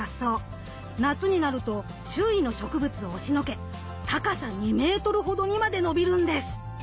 夏になると周囲の植物を押しのけ高さ２メートルほどにまで伸びるんです。